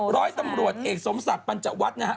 ร้อยตำรวจเอกสมศักดิ์ปัญจวัฒน์นะครับ